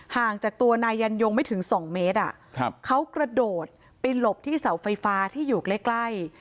ห่างจากตัวนายยันยงไม่ถึง๒เมตรเขากระโดดไปหลบที่เสาไฟฟ้าที่อยู่ใกล้